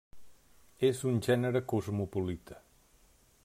És un gènere cosmopolita.